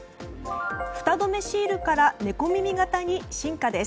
フタ止めシールから猫耳型に進化です。